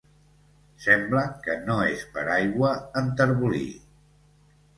Sembla que no és per aigua enterbolir.